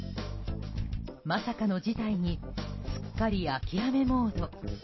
まさかの事態にすっかり諦めモード。